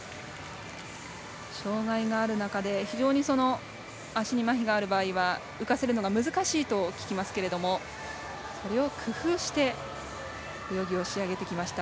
障がいがある中で非常に足にまひがある場合は浮かせるのが難しいと聞きますがそれを工夫して泳ぎを仕上げてきました。